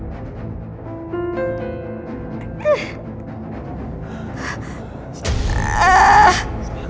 sampai jumpa di video selanjutnya